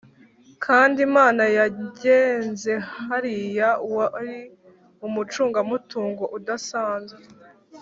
kandi imana yagenze hariya wari umucungamutungo udasanzwe